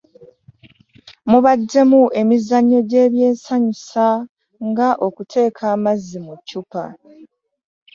Mubaddemu emizannyo gy'ebyensanyusa nga okuteeka amazzi mu ccupa